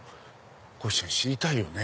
こひちゃん知りたいよね。